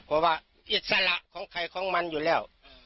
เพราะว่าอิสระของใครของมันอยู่แล้ว